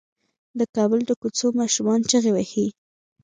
د کابل د کوڅو ماشومان چيغې وهي.